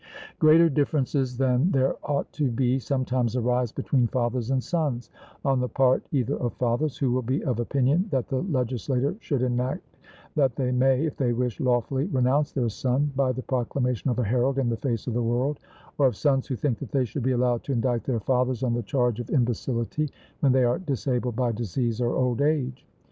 Greater differences than there ought to be sometimes arise between fathers and sons, on the part either of fathers who will be of opinion that the legislator should enact that they may, if they wish, lawfully renounce their son by the proclamation of a herald in the face of the world, or of sons who think that they should be allowed to indict their fathers on the charge of imbecility when they are disabled by disease or old age.